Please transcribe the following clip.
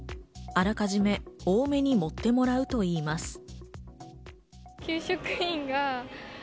あらかじめ多めに盛ってもらうといいます。